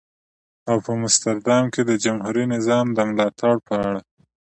او په مستر دام کې د جمهوري نظام د ملاتړ په اړه.